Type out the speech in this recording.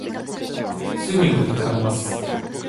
すぐにとりかかります。